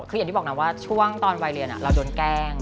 คืออย่างที่บอกนะว่าช่วงตอนวัยเรียนเราโดนแกล้ง